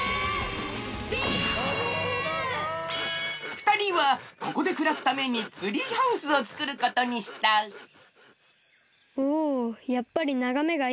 ふたりはここでくらすためにツリーハウスをつくることにしたおやっぱりながめがいいな。